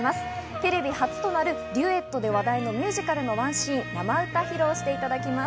テレビ初となるデュエットで話題のミュージカルのワンシーンを生歌披露していただきます。